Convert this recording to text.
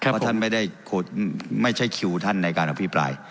เพราะท่านไม่ได้ไม่ใช่คิวท่านในการอภิปราย